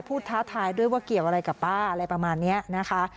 ท้าทายด้วยว่าเกี่ยวอะไรกับป้าอะไรประมาณนี้นะคะ